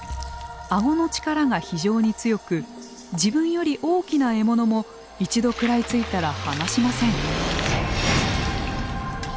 顎の力が非常に強く自分より大きな獲物も一度食らいついたら離しません。